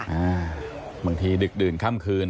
อ่าบางทีดึกดื่นค่ำคืน